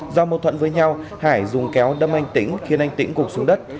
do mâu thuận với nhau hải dùng kéo đâm anh tĩnh khiến anh tĩnh cục xuống đất